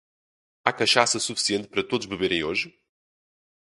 Há cachaça suficiente para todos beberem hoje?